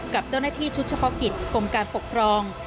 กับเจ้าหน้าที่ชุดเฉพาะกิจกรมการปกครอง